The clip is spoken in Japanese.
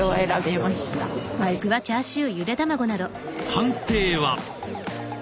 判定は？